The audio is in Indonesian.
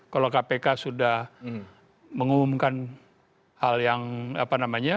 kalau kpk sudah mengumumkan hal yang apa namanya